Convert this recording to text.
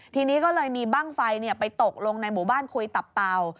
ทีนี้ก็เลยมีบ้างไฟไปตกลงในหมู่บ้านคุยตับเตา